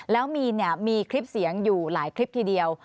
แล้วมีนมีคลิปเสียงอยู่หลายคลิปทีเดียว